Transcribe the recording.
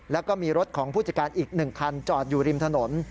แล้วก็มีรถของผู้จัดการอีก๑คันจอดอยู่ริมถนน